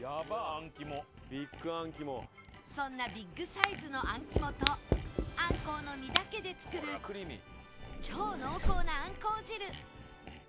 そんなビッグサイズのあん肝とあんこうの身だけで作る超濃厚なあんこう汁